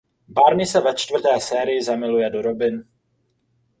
Barney se ve čtvrté sérii zamiluje do Robin.